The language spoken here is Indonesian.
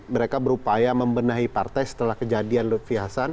mereka berupaya membenahi partai setelah kejadian lutfi hasan